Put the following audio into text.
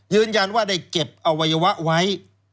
ยืนยันว่าได้เก็บอวัยวะไว้